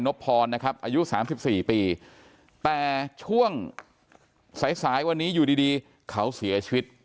บพรนะครับอายุ๓๔ปีแต่ช่วงสายสายวันนี้อยู่ดีดีเขาเสียชีวิต